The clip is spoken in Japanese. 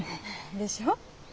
でしょ？